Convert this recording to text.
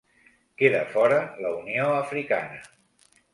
Queda fora la Unió Africana.